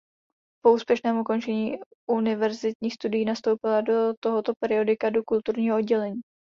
Po úspěšném ukončení univerzitních studií nastoupila do tohoto periodika do kulturního oddělení.